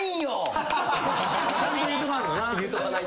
ちゃんと言うとかんとな。